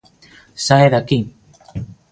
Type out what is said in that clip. Sae de aquí!